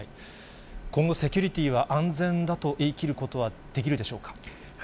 今後、セキュリティーは安全だと言いきることはできるでしょうか。